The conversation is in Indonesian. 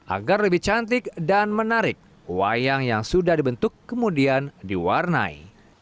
agar lebih cantik dan menarik wayang yang sudah dibentuk kemudian diwarnai